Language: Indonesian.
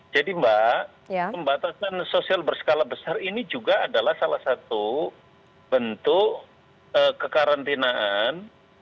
jadi mbak pembatasan sosial berskala besar ini juga adalah salah satu bentuk kekarantinaan